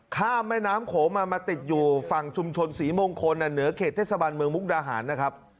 ข้ามแม่น้ำโขงมามาติดอยู่ฝั่งชุมชนศรีมงคลเหนือเขตเทศบาลเมืองมุกดาหารนะครับ